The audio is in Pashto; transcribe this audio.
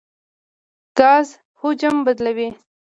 ګاز حجم بدلوي.